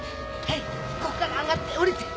ここから上がって降りて！